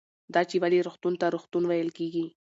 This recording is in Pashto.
دا چې ولې روغتون ته روغتون ویل کېږي